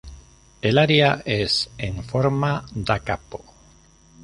El aria es en forma "da capo".